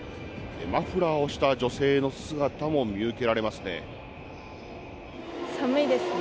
マフラーをした女性の姿も見受けられますね。